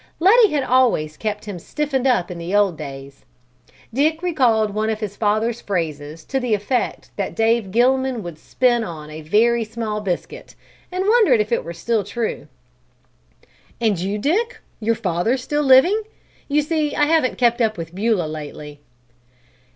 Letty had always kept him stiffened up in the old days. Dick recalled one of his father's phrases to the effect that Dave Gilman would spin on a very small biscuit, and wondered if it were still true. "And you, Dick? Your father's still living? You see I haven't kept up with Beulah lately."